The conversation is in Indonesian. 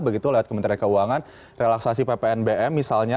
begitu lewat kementerian keuangan relaksasi ppnbm misalnya